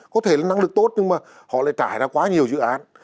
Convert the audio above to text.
có thể là năng lực tốt nhưng mà họ lại trải ra quá nhiều dự án